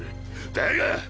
だが！